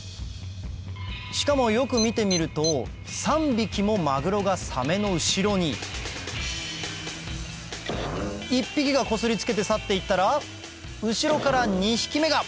しかもよく見てみると３匹もマグロがサメの後ろに１匹がこすりつけて去って行ったら後ろから２匹目が！